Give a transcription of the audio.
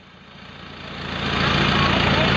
เขาขับช้ายนะครับ